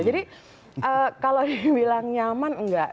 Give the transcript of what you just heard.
jadi kalau dibilang nyaman nggak